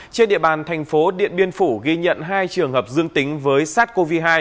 trên địa bàn thành phố điện biên phủ ghi nhận hai trường hợp dương tính với sars cov hai